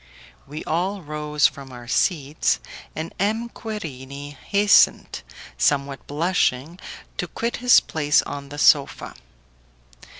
We all rose from our seats, and M. Querini hastened, somewhat blushing, to quit his place on the sofa.